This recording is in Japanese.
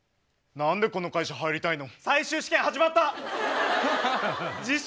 何でこの会社入りたいの？